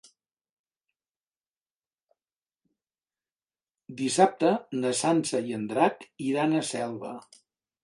Dissabte na Sança i en Drac iran a Selva.